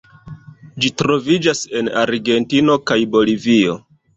Ĝi troviĝas en Argentino kaj Bolivio.